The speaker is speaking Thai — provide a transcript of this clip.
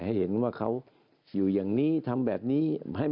ให้เห็นว่าเขาอยู่อย่างนี้ทำแบบนี้